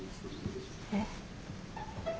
えっ。